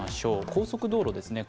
高速道路です。